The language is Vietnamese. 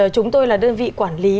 chúng tôi là đơn vị quản lý